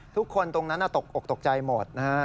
ทุกคนตรงนั้นตกอกตกใจหมดนะฮะ